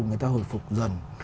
người ta hồi phục dần